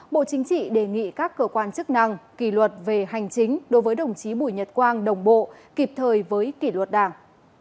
bộ chính trị đề nghị các cơ quan chức năng kỷ luật về hành chính đối với đồng chí bùi nhật quang đồng bộ kịp thời với kỷ luật đảng